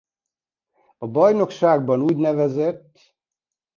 A bajnokságban úgyn.